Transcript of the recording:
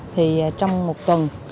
trong một tuần